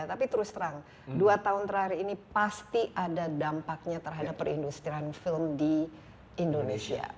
tapi terus terang dua tahun terakhir ini pasti ada dampaknya terhadap perindustrian film di indonesia